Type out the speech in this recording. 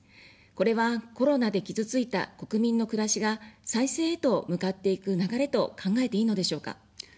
これは、コロナで傷ついた国民の暮らしが再生へと向かっていく流れと考えていいのでしょうか。